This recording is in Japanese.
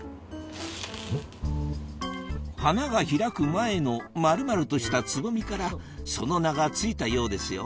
花が開く前の丸々としたつぼみからその名が付いたようですよ